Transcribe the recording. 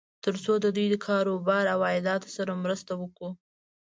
تر څو د دوی کار و بار او عایداتو سره مرسته وکړو.